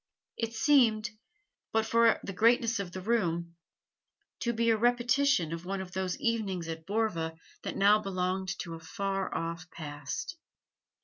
It seemed, but for the greatness of the room, to be a repetition of one of those evenings at Borva that now belonged to a far off past.